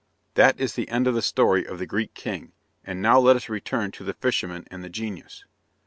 That is the end of the story of the Greek king, and now let us return to the fisherman and the genius.